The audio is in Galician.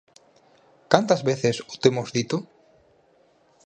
¿Cantas veces o temos dito?